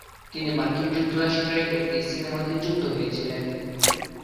তিনি মার্কিন যুক্তরাষ্ট্রে একটি সিনেমাতে যুক্ত হয়েছিলেন।